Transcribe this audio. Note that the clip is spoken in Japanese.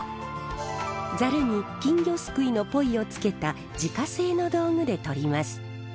ざるに金魚すくいのポイをつけた自家製の道具でとります。